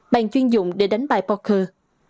bàn chuyên dụng để đánh bạc poker